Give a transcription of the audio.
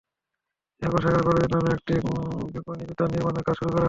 এরপর সেখানে কলেজের নামে একটি বিপণিবিতান নির্মাণের কাজ শুরু করা হয়।